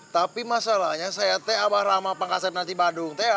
tapi masalahnya saya teh abah rama pangkasen nanti badung teh